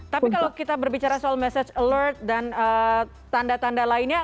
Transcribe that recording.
tapi kalau kita berbicara soal message alert dan tanda tanda lainnya